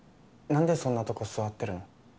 んでそんなとこ座ってるの？